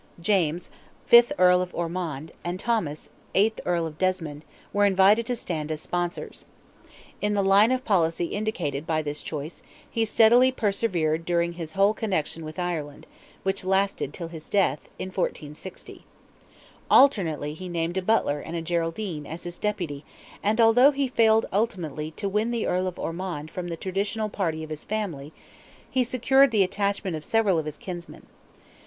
James, fifth Earl of Ormond, and Thomas, eighth Earl of Desmond, were invited to stand as sponsors. In the line of policy indicated by this choice, he steadily persevered during his whole connection with Ireland—which lasted till his death, in 1460. Alternately he named a Butler and a Geraldine as his deputy, and although he failed ultimately to win the Earl of Ormond from the traditional party of his family, he secured the attachment of several of his kinsmen.